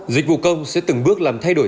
dịch vụ công sẽ từng bước làm thay đổi